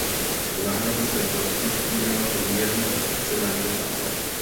Zahrada se rozprostírala do mírného kopce na jihozápad.